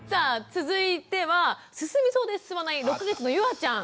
続いては進みそうで進まない６か月のゆあちゃん。